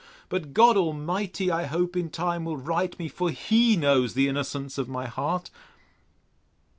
—But God Almighty, I hope, in time, will right me—For he knows the innocence of my heart!